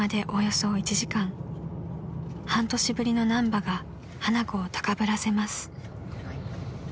［半年ぶりの難波が花子を高ぶらせます］